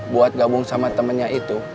buat gabung sama temennya itu